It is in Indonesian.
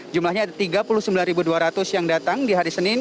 jumlahnya ada tiga puluh sembilan dua ratus yang datang di hari senin